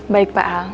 baik pak al